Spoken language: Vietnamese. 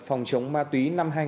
phòng chống ma túy năm hai nghìn